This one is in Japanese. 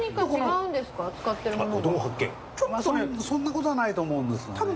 そんなコトはないと思うんですよね。